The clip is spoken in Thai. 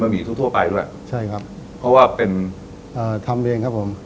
หมี่ทั่วทั่วไปด้วยใช่ครับเพราะว่าเป็นเอ่อทำเองครับผม